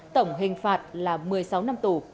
tổng hình phạt là một mươi sáu năm tù